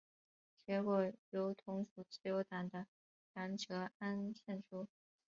结果由同属自由党的杨哲安胜出。